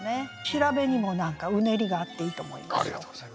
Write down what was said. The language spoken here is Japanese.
調べにも何かうねりがあっていいと思います。